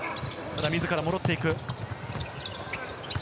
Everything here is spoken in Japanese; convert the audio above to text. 自ら戻っていく。